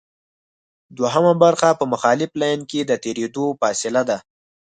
دوهمه برخه په مخالف لین کې د تېرېدو فاصله ده